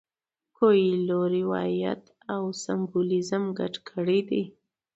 کویلیو روایت او سمبولیزم ګډ کړي دي.